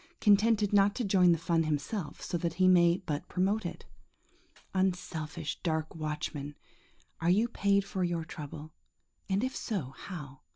Contented not to join the fun himself, so that he may but promote it. Unselfish, dark watchman, are you paid for your trouble, and if so, how?